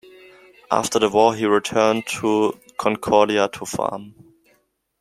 After the war, he returned to Concordia to farm.